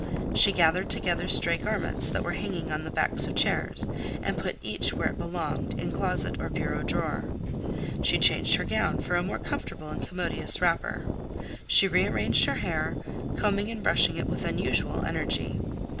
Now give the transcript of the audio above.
She gathered together stray garments that were hanging on the backs of chairs, and put each where it belonged in closet or bureau drawer. She changed her gown for a more comfortable and commodious wrapper. She rearranged her hair, combing and brushing it with unusual energy.